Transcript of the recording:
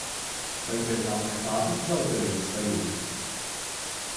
Vai tev nav nekādas zaudējuma sajūtas?